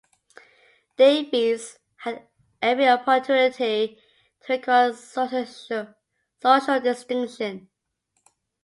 Daviess had every opportunity to acquire social distinction.